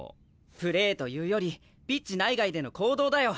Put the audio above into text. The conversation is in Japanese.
プレーというよりピッチ内外での行動だよ。